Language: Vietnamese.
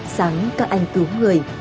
sáng các anh cứu người